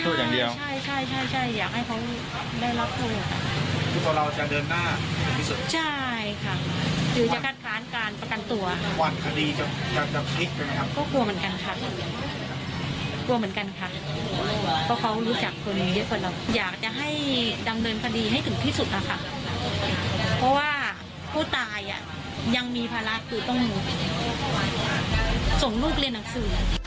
จงลูกเรียนหนังสือ